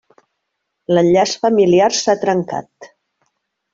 L'enllaç familiar s'ha trencat.